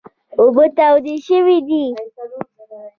اوبه تودې شوي دي .